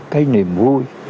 cái niềm vui